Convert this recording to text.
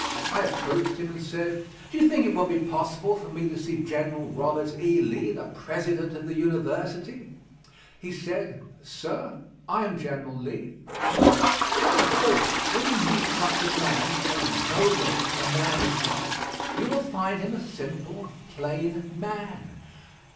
I approached him and said, "Do you think it would be possible for me to see General Robert E. Lee, the President of the University?" He said, "Sir, I am General Lee." Of course, when you meet such a man, so noble a man as that, you will find him a simple, plain man.